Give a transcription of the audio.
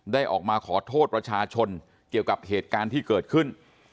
ได้ออกมาขอโทษประชาชนเกี่ยวกับเหตุการณ์ที่เกิดขึ้น